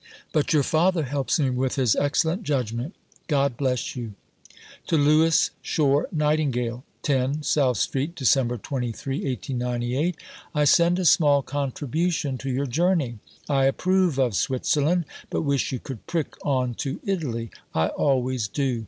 But your Father helps me with his excellent judgment. God bless you. (To Louis Shore Nightingale.) 10 SOUTH ST., Dec. 23 . I send a small contribution to your journey. I approve of Switzerland, but wish you could prick on to Italy. I always do.